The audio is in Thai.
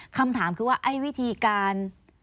คำถามคือว่าไอ้วิธีการ